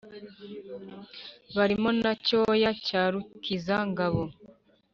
Barimo na Cyoya cya Rukiza ngabo